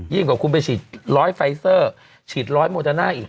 ยิ่งกว่าคุณไปฉีดร้อยไฟเซอร์ฉีดร้อยโมจานาอีก